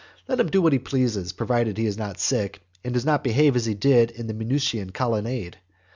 Let him do what he pleases, provided he is not sick, and does not behave as he did in the Minucian colonnade.